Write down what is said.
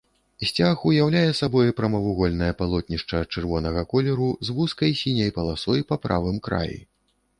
Сцяг уяўляе сабой прамавугольнае палотнішча чырвонага колеру з вузкай сіняй паласой па правым краі.